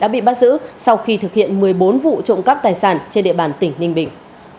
bị bắt giữ sau khi thực hiện một mươi bốn vụ trộm cắp tài sản trên địa bàn tỉnh ninh bình